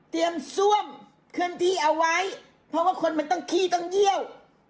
ซ่วมเคลื่อนที่เอาไว้เพราะว่าคนมันต้องขี้ต้องเยี่ยว